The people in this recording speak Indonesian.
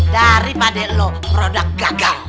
daripada lu produk gagal